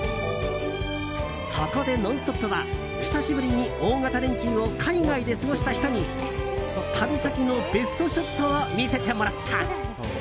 そこで「ノンストップ！」は久しぶりに大型連休を海外で過ごした人に旅先のベストショットを見せてもらった。